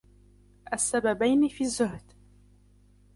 السَّبَبَيْنِ فِي الزُّهْدِ